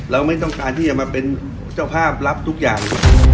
เราไม่ต้องการที่จะมาเป็นเจ้าภาพรับทุกอย่าง